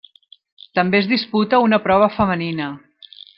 També es disputa una prova femenina.